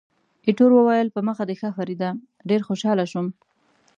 ایټور وویل، په مخه دې ښه فریډه، ډېر خوشاله شوم.